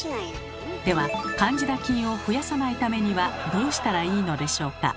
ではカンジダ菌を増やさないためにはどうしたらいいのでしょうか？